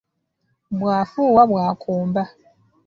Bw'afuuwa bw'akomba.